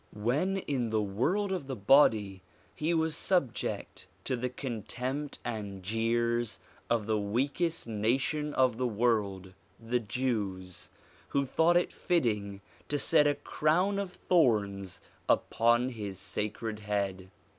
When in the world of the body, he was subject to the contempt and jeers of the weakest nation of the world, the Jews, who thought it fitting to set a crown of thorns upon his sacred head.